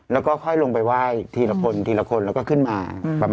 แล้วก็ค่อยลงไปไหว้ทีละคนทีละคนแล้วก็ขึ้นมา